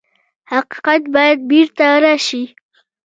حقیقت باید بېرته راشي.